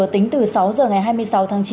tính từ sáu giờ ngày hai mươi sáu tháng chín